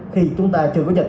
khi chúng ta chưa có dịch